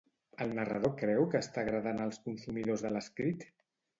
El narrador creu que està agradant als consumidors de l'escrit?